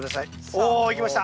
おいきました。